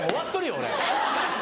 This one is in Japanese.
俺。